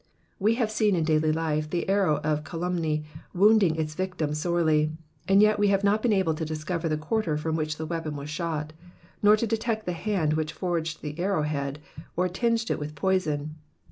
We have seen in daily life the arrow of calumny wounding its victim sorely ; and yet we have not been able to discover the quarter from which the weapon was shot, nor to detect the hand which forged the arrowhead, or tinged it with the poison.